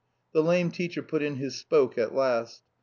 The lame teacher put in his spoke at last.